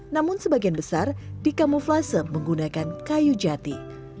namun sebagian besar dikamuflase menggunakan kayu jati